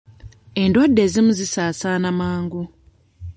Endwadde ezimu zisaasaana mangu.